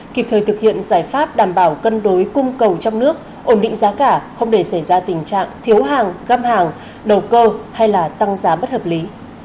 kịp thời thực hiện giải pháp đảm bảo cân đối cung cầu trong nước ổn định giá cả không để xảy ra tình trạng thiếu hàng găm hàng đầu cơ hay là tăng giá bất hợp lý